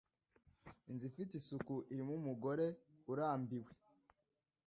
inzu ifite isuku irimo umugore urambiwe